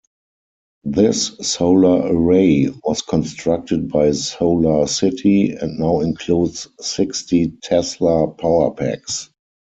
This solar array was constructed by SolarCity, and now includes sixty Tesla Powerpacks.